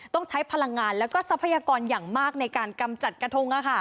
ต้องใช้พลังงานแล้วก็ทรัพยากรอย่างมากในการกำจัดกระทง